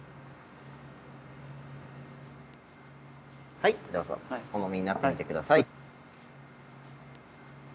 はいどうぞお飲みになってみて下さい。